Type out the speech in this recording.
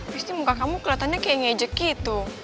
pasti muka kamu kelihatannya kayak ngejek gitu